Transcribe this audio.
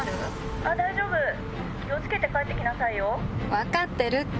分かってるって。